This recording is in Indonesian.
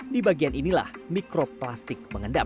di bagian inilah mikroplastik mengendap